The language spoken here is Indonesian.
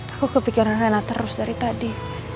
aku kepikiran rela terus dari tadi